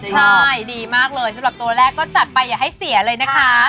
ใช่ดีมากเลยสำหรับตัวแรกก็จัดไปอย่าให้เสียเลยนะคะ